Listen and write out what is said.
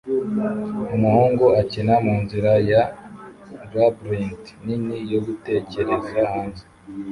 Umuhungu akina munzira ya labyrint nini yo gutekereza hanze